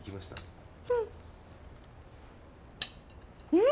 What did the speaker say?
うん？